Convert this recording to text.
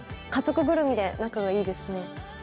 家族ぐるみで仲がいいですね。